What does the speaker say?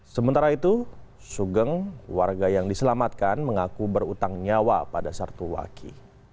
sementara itu sugeng warga yang diselamatkan mengaku berutang nyawa pada sertu waki